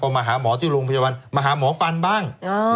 มาหาหมอที่โรงพยาบาลมาหาหมอฟันบ้าง